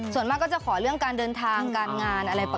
ส่วนมากก็จะขอเรื่องการเดินทางการงานอะไร